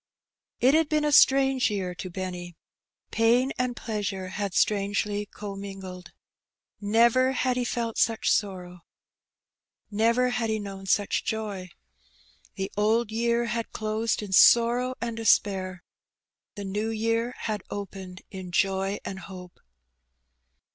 It had been a strange year to Benny. Pain and pleasure had strangely commingled. Never had he felt such sorrow, never had he known such joy. A Terrible Alternative. 157 The old year had closed in sorrow and despair; the new year had opened in joy and hope.